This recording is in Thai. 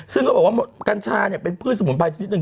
ซึ่งก็บอกว่ากัญชาเป็นพืชสมุนไพรนิดนึง